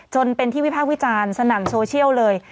จนเป็นที่วิพากษ์วิจารณ์สนั่นโซเชียลเลย